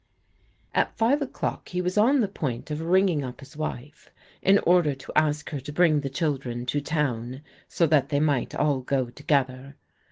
At five o'clock he was on the point of ringing up wife, in order to ask her to bring the children to toi so that they might all go together.